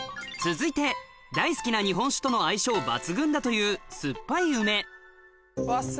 続いて大好きな日本酒との相性抜群だといううわ酸っぱそう。